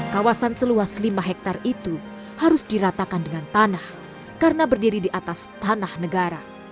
kawasan seluas lima hektare itu harus diratakan dengan tanah karena berdiri di atas tanah negara